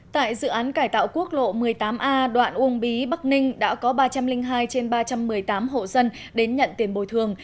tại dự án cải tạo quốc lộ một mươi tám a đoạn uông bí bắc ninh đã có ba trăm linh hai trên ba trăm một mươi tám hộ dân đến nhận tiền bồi thường